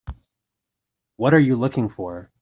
What are you looking for?